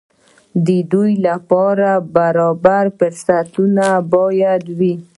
د ودې لپاره برابر فرصتونه باید وي.